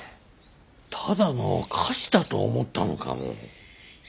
ただの菓子だと思ったのかも。